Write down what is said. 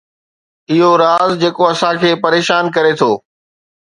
اهو راز جيڪو اسان کي پريشان ڪري ٿو